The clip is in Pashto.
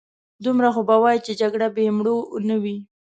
دومره خو به وايې چې جګړه بې مړو نه وي.